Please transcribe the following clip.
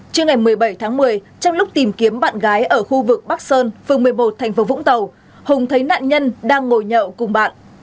trước ngày một mươi bảy tháng một mươi trong lúc tìm kiếm bạn gái ở khu vực bắc sơn phường một mươi một thành phố vũng tàu hùng thấy nạn nhân đang ngồi nhậu cùng bạn